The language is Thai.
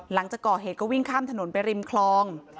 หลังจากก่อเหตุก็วิ่งข้ามถนนไปริมคลอง